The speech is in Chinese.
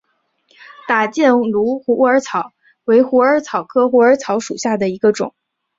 打箭炉虎耳草为虎耳草科虎耳草属下的一个种。